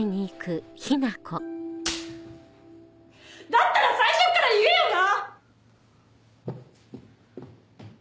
だったら最初っから言えよな！